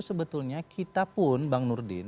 sebetulnya kita pun bang nurdin